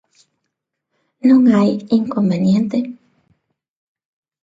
¿Non hai inconveniente?